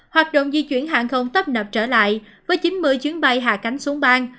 hoạt động di chuyển hàng không tấp nập trở lại với chín mươi chuyến bay hạ cánh xuống bang